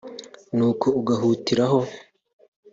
“Nuko agahutiraho